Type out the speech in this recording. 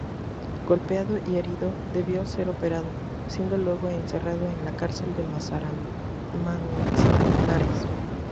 Golpeado y herido debió ser operado, siendo luego encerrado en la cárcel de Manzanares.